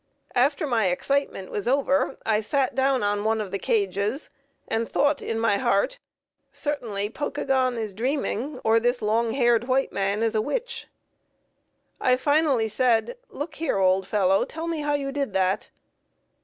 After my excitement was over I sat down on one of the cages, and thought in my heart, "Certainly Pokagon is dreaming, or this long haired white man is a witch." I finally said, "Look here, old fellow, tell me how you did that."